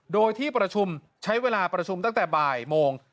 โดยที่ประชุมใช้เวลาประชุมตั้งแต่บ่ายโมง